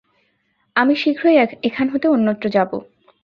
আমি শীঘ্রই এখান হতে অন্যত্র যাব।